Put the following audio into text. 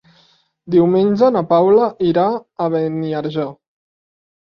Diumenge na Paula irà a Beniarjó.